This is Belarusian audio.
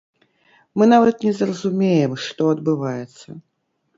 Мы нават не зразумеем, што адбываецца.